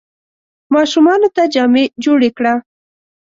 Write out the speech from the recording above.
ماشومانو ته جامې جوړي کړه !